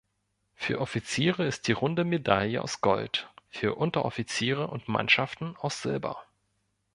Für Offiziere ist die runde Medaille aus Gold, für Unteroffiziere und Mannschaften aus Silber.